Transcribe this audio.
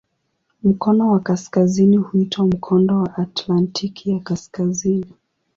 Mkono wa kaskazini huitwa "Mkondo wa Atlantiki ya Kaskazini".